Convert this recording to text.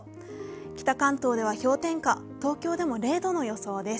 北関東では氷点下、東京でも０度の予想です。